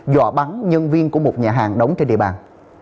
dọa bắn nhân viên của một nhà hàng đóng trên địa bàn